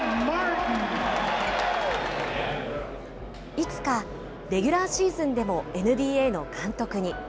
いつか、レギュラーシーズンでもＮＢＡの監督に。